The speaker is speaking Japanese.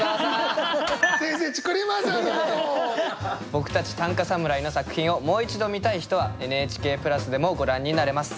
僕たち短歌侍の作品をもう一度見たい人はＮＨＫプラスでもご覧になれます。